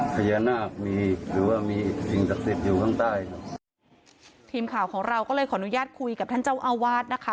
พญานาคมีหรือว่ามีสิ่งศักดิ์สิทธิ์อยู่ข้างใต้ครับทีมข่าวของเราก็เลยขออนุญาตคุยกับท่านเจ้าอาวาสนะคะ